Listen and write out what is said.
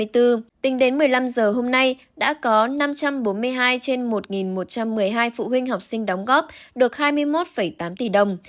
tính đến một mươi năm giờ hôm nay đã có năm trăm bốn mươi hai trên một một trăm một mươi hai phụ huynh học sinh đóng góp được hai mươi một tám tỷ đồng